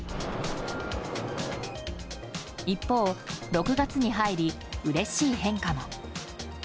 一方、６月に入りうれしい変化も。